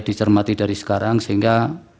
dicermati dari sekarang sehingga